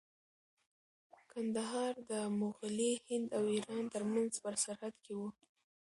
کندهار د مغلي هند او ایران ترمنځ په سرحد کې و.